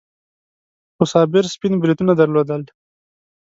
خو صابر سپين بریتونه درلودل.